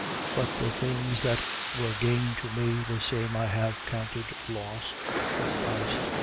3:7. But the things that were gain to me, the same I have counted loss for Christ.